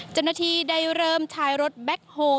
จำนวนทีได้เริ่มใช้รถแบ็คโฮล